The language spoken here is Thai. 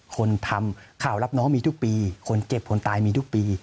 คนทำข่าวรับน้องมีทุกปีคนเจ็บคนตายมีทุกปี